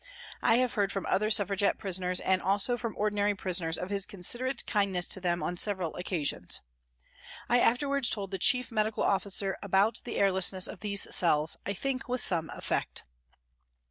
I have heard from other Suffragette prisoners and also from ordinary prisoners of his considerate kind ness to them on several occasions. I afterwards told the Chief Medical Officer about the airlessness of these cells, I think with some effect.